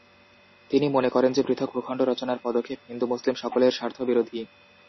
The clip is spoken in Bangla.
তিনি মনে করেন যে, পৃথক ভূখণ্ড রচনার পদক্ষেপ হিন্দু-মুসলিম সকলের স্বার্থবিরােধী।